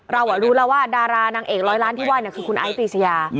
เรารู้แล้วว่าดารานางเอกร้อยล้านที่ว่าคือคุณไอ้ปรีชยา